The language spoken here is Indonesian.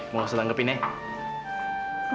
mau kasih tanggepin ya